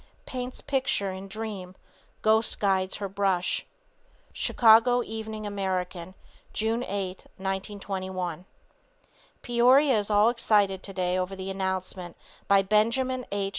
PAINTS PICTURE IN DREAM, GHOST GUIDES HER BRUSH. Chicago Evening American, June 8, 1921. Peoria is all excited today over the announcement by Benjamin H.